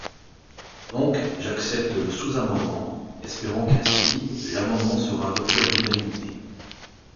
Donc, j’accepte le sous-amendement, espérant qu’ainsi, l’amendement sera adopté à l’unanimité.